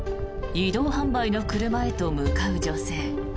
移動販売の車へと向かう女性。